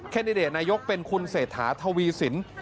ดิเดตนายกเป็นคุณเศรษฐาทวีสิน